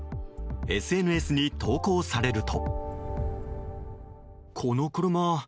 ＳＮＳに投稿されると。